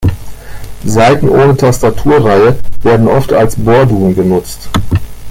Saiten ohne Tastatur-Reihe werden oft als Bordun genutzt.